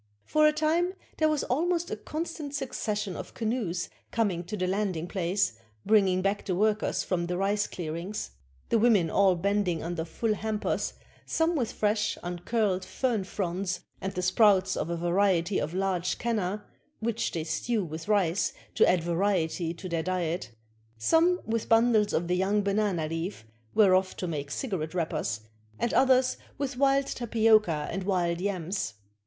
For a time there was almost a constant succession of canoes coming to the landing place, bringing back the workers from the rice clearings. The women all bending under full hampers, some with fresh, uncurled fern fronds, and the sprouts of a variety of large canna, which they stew with rice to add variety to their diet; some with bundles of the young banana leaf, whereof to make cigarette wrappers, and others with wild tapioca and Vv'ild yams.